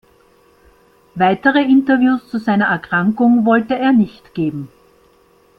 Weitere Interviews zu seiner Erkrankung wollte er nicht geben.